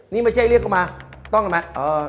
นี่ไม่ใช่เรียกเขามา